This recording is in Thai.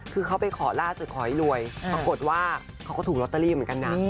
คือเขาไปขอล่าสุดขอให้รวยปรากฏว่าเขาก็ถูกลอตเตอรี่เหมือนกันนะ